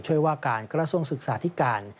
ช่วยว่าการกระทรวงศึกษาธิการ